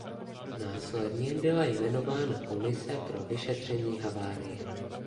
Následně byla jmenována komise pro vyšetření havárie.